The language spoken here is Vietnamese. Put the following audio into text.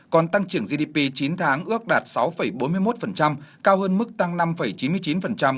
còn tăng trưởng gdp chín tháng ước đạt sáu bốn mươi một cao hơn mức tăng năm chín mươi chín của cung cấp